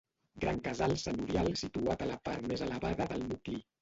Gran Casal senyorial situat a la part més elevada del nucli.